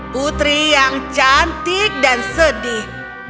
putri yang cantik dan sedih